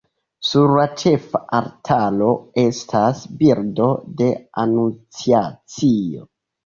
Sur la ĉefa altaro estas bildo de Anunciacio.